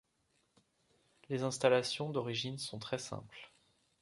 Les installations d'origine sont très simples.